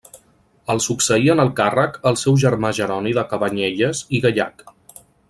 El succeí en el càrrec el seu germà Jeroni de Cabanyelles i Gallac.